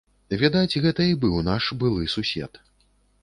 Відаць, гэта і быў наш былы сусед.